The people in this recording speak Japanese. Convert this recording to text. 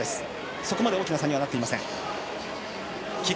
そこまで大きな差にはなっていません。